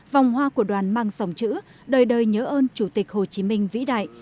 vòng hoa của đoàn mang dòng chữ đời đời nhớ ơn chủ tịch hồ chí minh vĩ đại